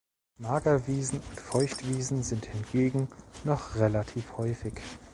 Magerwiesen und Feuchtwiesen sind hingegen noch relativ häufig.